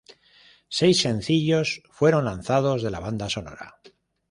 Seis sencillos fueron lanzados de la banda sonora.